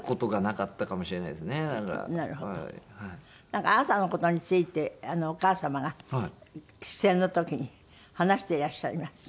なんかあなたの事についてお母様が出演の時に話していらっしゃいます。